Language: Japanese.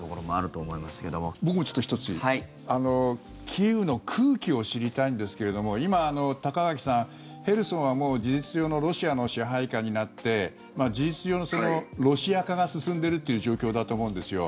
キーウの空気を知りたいんですけれども今、高垣さん、ヘルソンはもう事実上のロシアの支配下になって事実上のロシア化が進んでいるっていう状況だと思うんですよ。